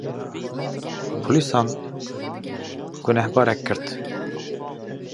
polîsan gunehbarek girt